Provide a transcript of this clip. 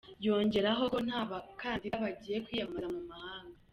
Yongeraho ko nta bakandida bagiye kwiyamamaza mu mahanga.